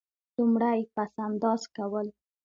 لومړی: پس انداز کول.